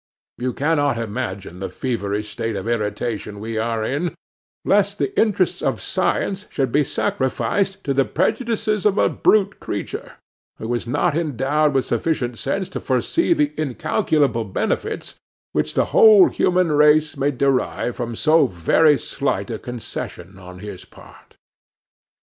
You cannot imagine the feverish state of irritation we are in, lest the interests of science should be sacrificed to the prejudices of a brute creature, who is not endowed with sufficient sense to foresee the incalculable benefits which the whole human race may derive from so very slight a concession on his part.